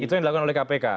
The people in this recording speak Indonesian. itu yang dilakukan oleh kpk